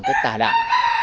cái tà đạo